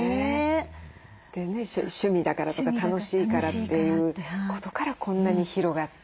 でね趣味だからとか楽しいからということからこんなに広がって。